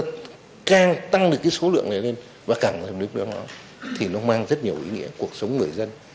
trang tăng được cái số lượng này lên và cẳng được nó thì nó mang rất nhiều ý nghĩa cuộc sống người dân